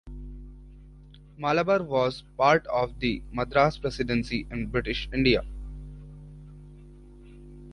Malabar was part of the Madras Presidency in British India.